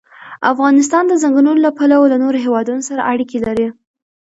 افغانستان د ځنګلونه له پلوه له نورو هېوادونو سره اړیکې لري.